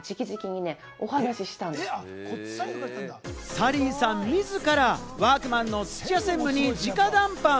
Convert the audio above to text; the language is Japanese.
サリーさん自らワークマンの土屋専務に直談判。